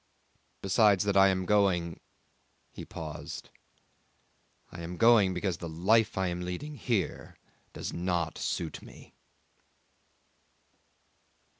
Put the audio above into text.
Besides that I am going...." He paused. "I am going because the life I am leading here does not suit me!"